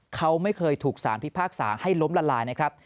เขาไม่เคยถูกสารพิพากษาให้ล้มละลายนะครับ